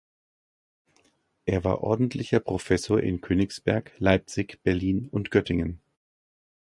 Er war ordentlicher Professor in Königsberg, Leipzig, Berlin und Göttingen.